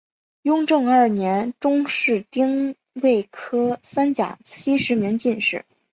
雍正二年中式丁未科三甲七十名进士。